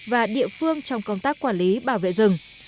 và địa phương trong công tác quản lý bảo vệ rừng